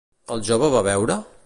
El jove va beure?